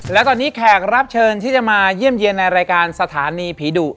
และตอนนี้แขกรับเชิญที่จะมาเยี่ยมเยี่ยมในรายการสถานีผีดุ